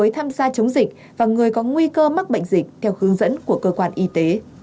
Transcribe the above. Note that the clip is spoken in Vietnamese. tham gia chống dịch và người có nguy cơ mắc bệnh dịch theo hướng dẫn của cơ quan y tế